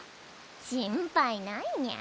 心配ないニャ。